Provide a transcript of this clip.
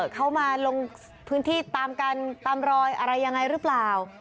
เขามาลงพื้นที่ตามกันตามรอยอะไรยังไงหรือเปล่า